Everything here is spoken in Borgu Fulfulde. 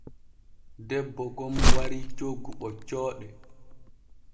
Debbo gom warii coggu ɓoccooɗe.